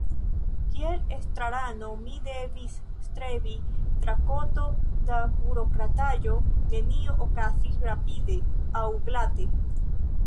Kiel estrarano mi devis strebi tra koto da burokrataĵo, nenio okazis rapide aŭ glate.